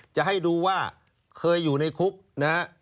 จะให้ดูว่าเคยอยู่ในคุกนะฮะ